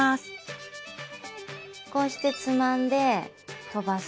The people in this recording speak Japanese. こうしてつまんで飛ばす。